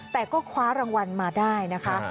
แต่ก็คว้ารางวัลมาได้นะคะ